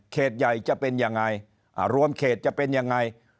ใหญ่จะเป็นยังไงรวมเขตจะเป็นยังไง